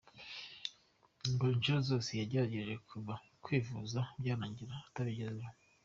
Ngo inshuro zose yagerageje kujya kwivuza byarangiraga atabigezeho.